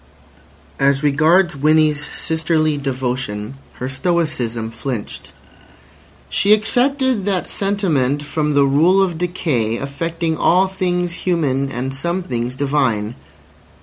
As regards Winnie's sisterly devotion, her stoicism flinched. She excepted that sentiment from the rule of decay affecting all things human and some things divine.